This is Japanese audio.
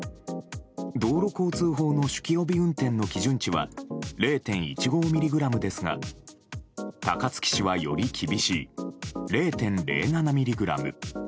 道路交通法の酒気帯び運転の基準値は０．１５ミリグラムですが高槻市はより厳しい０．０７ミリグラム。